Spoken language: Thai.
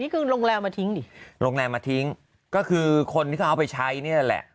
โรงแรมมาทิ้งดิโรงแรมมาทิ้งก็คือคนที่เขาเอาไปใช้เนี่ยแหละ